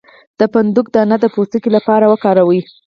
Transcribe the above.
د فندق دانه د پوستکي لپاره وکاروئ